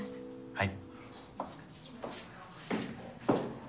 はい。